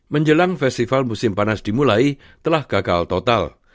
menjelang festival musim panas dimulai telah gagal total